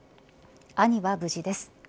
兄は無事です。